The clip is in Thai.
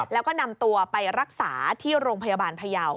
แล้วก็นำตัวไปรักษาที่โรงพยาบาลพยาว